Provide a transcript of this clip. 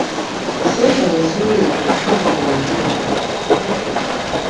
Sooka weezuule obuzibu bwo we buli.